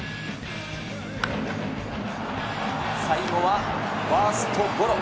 最後はファーストゴロ。